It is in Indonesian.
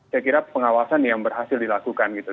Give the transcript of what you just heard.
saya kira pengawasan yang berhasil dilakukan gitu